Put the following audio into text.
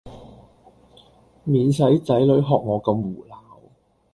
免使子女學我咁胡鬧